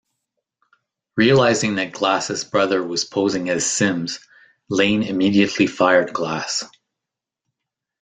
Realizing that Glass's brother was posing as Sims, Lane immediately fired Glass.